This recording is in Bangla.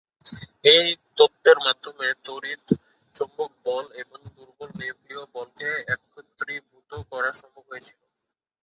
এই তত্ত্বের মাধ্যমে তড়িৎ চৌম্বক বল এবং দুর্বল নিউক্লীয় বলকে একীভূত করা সম্ভব হয়েছিল।